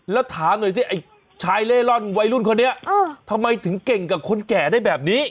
แล้วถามหน่อยสิไอ้ชายเล่ร่อนวัยรุ่นคนนี้ทำไมถึงเก่งกับคนแก่ได้แบบนี้